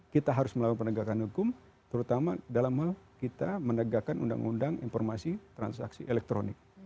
kita harus melakukan penegakan hukum terutama dalam hal kita menegakkan undang undang informasi transaksi elektronik